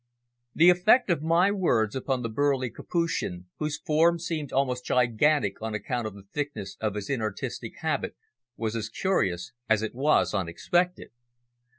The effect of my words upon the burly Capuchin, whose form seemed almost gigantic on account of the thickness of his inartistic habit, was as curious as it was unexpected.